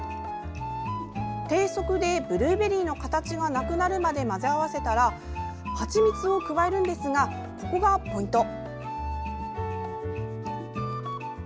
低速で、ブルーベリーの形がなくなるまで混ぜ合わせたらはちみつを加えるのですがここがポイント。